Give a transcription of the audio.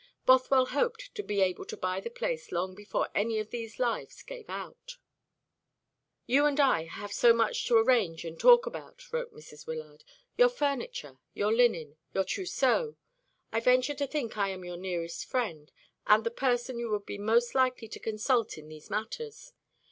Bothwell hoped to be able to buy the place long before any of these lives gave out. "You and I have so much to arrange and to talk about," wrote Mrs. Wyllard "your furniture, your linen, your trousseau. I venture to think I am your nearest friend, and the person you would be most likely to consult in these matters.